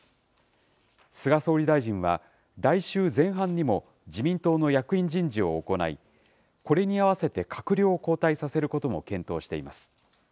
菅総理大臣は、来週前半にも自民党の役員人事を行い、これに合わせて閣僚を交代させることも検討しています。